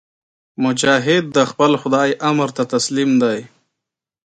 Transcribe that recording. مجاهد د خپل خدای امر ته تسلیم دی.